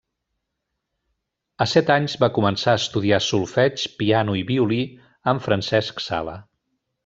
A set anys va començar a estudiar solfeig, piano i violí amb Francesc Sala.